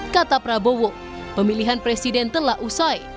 kata prabowo pemilihan presiden telah usai